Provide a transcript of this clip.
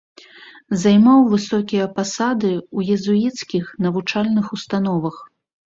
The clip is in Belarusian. Займаў высокія пасады ў езуіцкіх навучальных установах.